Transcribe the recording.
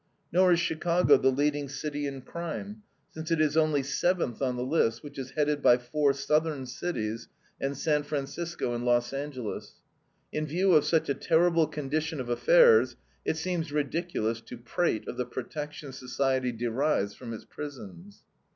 Nor is Chicago the leading city in crime, since it is only seventh on the list, which is headed by four Southern cities, and San Francisco and Los Angeles. In view of such a terrible condition of affairs, it seems ridiculous to prate of the protection society derives from its prisons.